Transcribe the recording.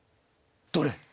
どれ？